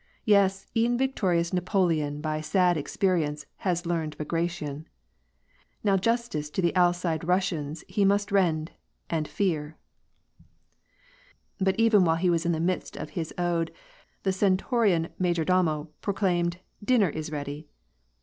Yes! e*en victorious Napoleon By sad experience has learned Bagration ! Now justice to the Alcide Russians he must rende. And fear" — But even while he was in the midst of his ode, the stentorian major domo proclaimed " Dinner is ready